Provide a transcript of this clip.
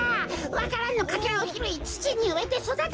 わか蘭のかけらをひろいつちにうえてそだてたんだってか！